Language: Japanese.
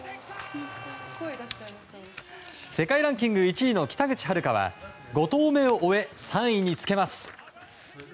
世界ランキング１位の北口榛花は５投目を終え、３位につけます。